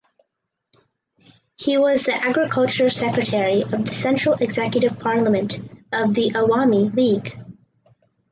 He was the Agriculture Secretary of the Central Executive Parliament of the Awami League.